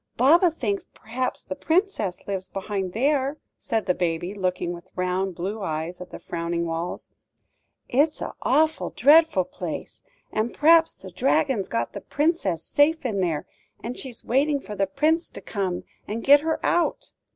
"Baba thinks p'raps the Princess lives behind there," said the baby, looking with round blue eyes at the frowning walls; "it's a awful, dreadful place; and p'raps the Dragon's got the Princess safe in there; and she's waiting for the Prince to come and get her out."